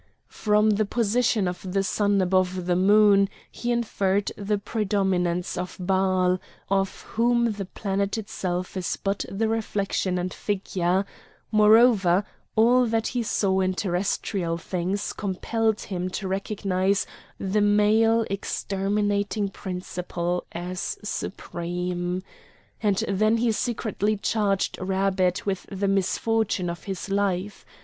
From the position of the sun above the moon he inferred the predominance of Baal, of whom the planet itself is but the reflection and figure; moreover, all that he saw in terrestrial things compelled him to recognise the male exterminating principle as supreme. And then he secretly charged Rabbet with the misfortune of his life.